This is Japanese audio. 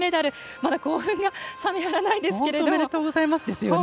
まだ興奮が冷めやらないですけど。